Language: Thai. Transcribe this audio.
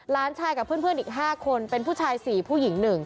หลานชายกับเพื่อนอีก๕คนเป็นผู้ชาย๔ผู้หญิง๑